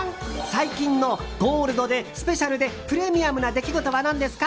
最近のゴールドでスペシャルでプレミアムな出来事は何ですか？